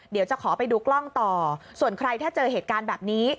เดี๋ยวจะขอไปดูกล้องต่อส่วนใครถ้าเจอเหตุการณ์แบบนี้